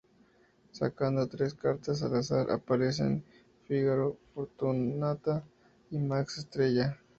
Sacando tres cartas al azar, aparecen, "Fígaro", "Fortunata" y "Max Estrella".